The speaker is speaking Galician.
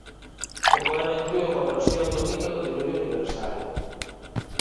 O poema inclúe unha versión do mito do diluvio universal.